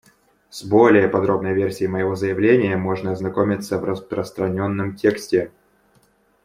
С более подробной версией моего заявления можно ознакомиться в распространенном тексте.